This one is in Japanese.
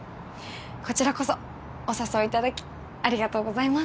こちらこそお誘いいただきありがとうございます。